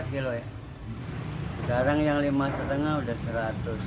sekarang yang lima lima sudah seratus